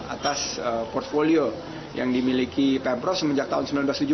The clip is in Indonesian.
atas portfolio yang dimiliki pemprov semenjak tahun seribu sembilan ratus tujuh puluh